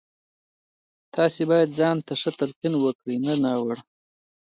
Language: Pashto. تاسې بايد ځان ته ښه تلقين وکړئ نه ناوړه.